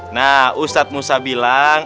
nah ustadz musa bilang